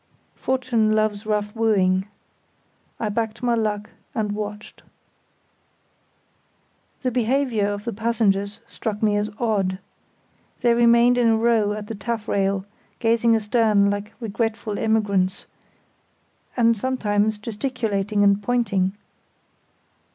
Fortune loves rough wooing. I backed my luck and watched. The behaviour of the passengers struck me as odd. They remained in a row at the taffrail, gazing astern like regretful emigrants, and sometimes, gesticulating and pointing.